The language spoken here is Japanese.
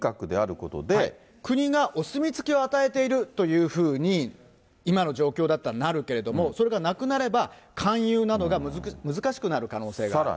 国がお墨付きを与えているというふうに、今の状況だったらなるけれども、それがなくなれば、勧誘などが難しくなる可能性がある。